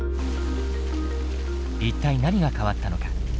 一体何が変わったのか。